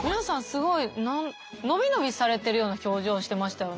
すごい伸び伸びされてるような表情してましたよね。